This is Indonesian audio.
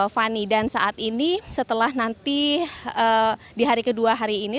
fani dan saat ini setelah nanti di hari kedua hari ini